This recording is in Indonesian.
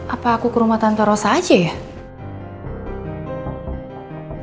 apa aku ke rumah tante rosa aja ya